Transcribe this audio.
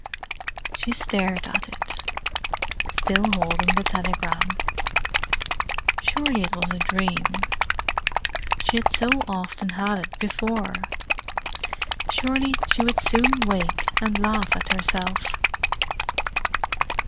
She stared at it, still holding the telegram. Surely it was a dream—she had so often had it before. Surely she would soon wake, and laugh at herself.